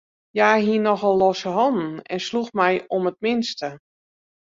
Hja hie nochal losse hannen en sloech my om it minste.